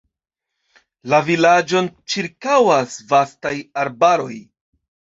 La vilaĝon ĉirkaŭas vastaj arbaroj.